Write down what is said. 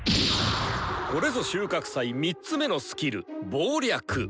これぞ収穫祭３つ目のスキル。